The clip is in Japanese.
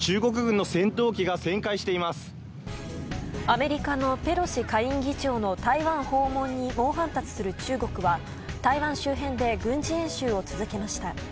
アメリカのペロシ下院議長の台湾訪問に猛反発する中国は台湾周辺で軍事演習を続けました。